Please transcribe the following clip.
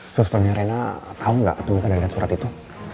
susternya rena tau gak tuh ada surat itu